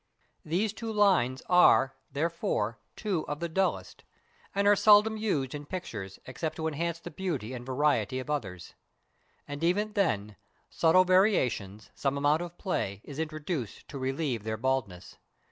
These two lines are, therefore, two of the dullest, and are seldom used in pictures except to enhance the beauty and variety of others. And even then, subtle variations, some amount of play, is introduced to relieve their baldness.